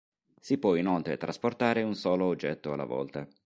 Si può inoltre trasportare un solo oggetto alla volta.